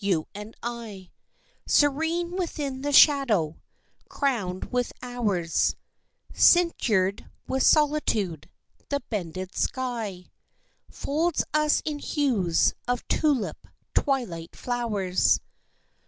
You and I, Serene within the shadow, crowned with hours, Cinctured with solitude, the bended sky Folds us in hues of tulip twilight flowers.